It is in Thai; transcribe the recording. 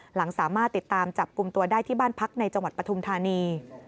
หลังสามารถติดตามจับกลุ่มตัวได้ที่บ้านพักในจังหวัดปฐุมธานี